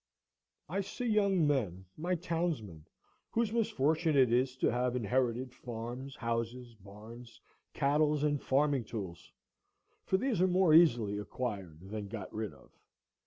I see young men, my townsmen, whose misfortune it is to have inherited farms, houses, barns, cattle, and farming tools; for these are more easily acquired than got rid of.